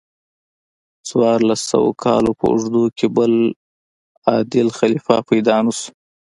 څوارلس سوو کالو په اوږدو کې بل عادل خلیفه پیدا نشو.